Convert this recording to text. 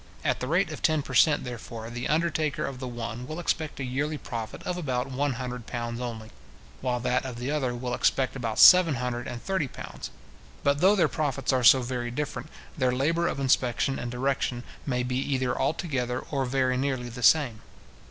At the rate of ten per cent. therefore, the undertaker of the one will expect a yearly profit of about one hundred pounds only; while that of the other will expect about seven hundred and thirty pounds. But though their profits are so very different, their labour of inspection and direction may be either altogether or very nearly the same.